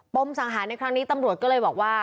มสังหารในครั้งนี้ตำรวจก็เลยบอกว่า